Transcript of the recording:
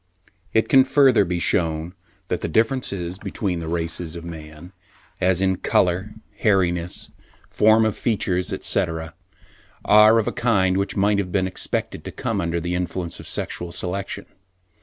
It can further be shewn that the differences between the races of man, as in colour, hairiness, form of features, etc., are of a kind which might have been expected to come under the influence of sexual selection.